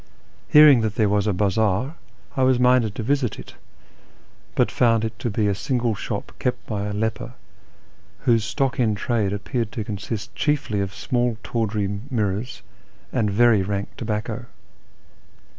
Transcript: Hearing that there was a bazaar, I was minded to visit it, but found it to be a single sho]3 kejit by a leper, whose stock in trade appeared to consist chiefly of small tawdry mirrors and very rank tobacco.